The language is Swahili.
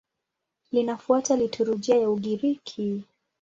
Linafuata liturujia ya Ugiriki.